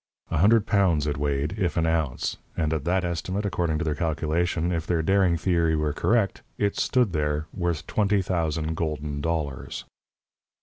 A hundred pounds it weighed, if an ounce, and at that estimate, according to their calculation, if their daring theory were correct, it stood there, worth twenty thousand golden dollars.